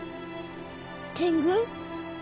天狗？